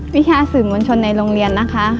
วิชาสื่อมวลชนในโรงเรียนนะคะ